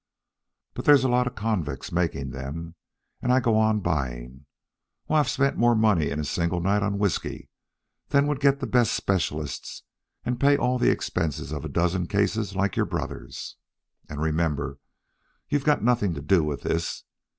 But there's a lot of convicts making them, and I go on buying. Why, I've spent more money in a single night on whiskey than would get the best specialists and pay all the expenses of a dozen cases like your brother's. And remember, you've got nothing to do with this.